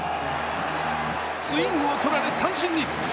スイングをとられ三振に。